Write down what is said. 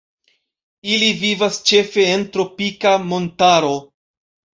Ili vivas ĉefe en tropika montaro.